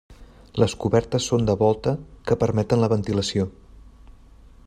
Les cobertes són de volta que permeten la ventilació.